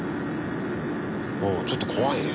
うんちょっと怖いね。